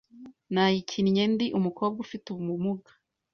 Nayikinnye ndi umukobwa ufite ubumuga.